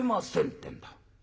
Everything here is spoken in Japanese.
てんだ。